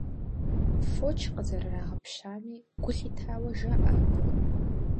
Фоч къызэрырагъэпщами гу лъитауэ жаӏэ абы.